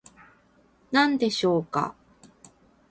何でしょうか